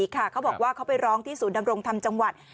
เขาบอกว่าเขาไปร้องที่ศูนย์ดำรงธรรมจังหวัด